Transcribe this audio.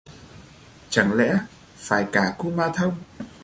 Chẳng lẽ phải cả kumanthong